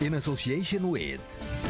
terima kasih banyak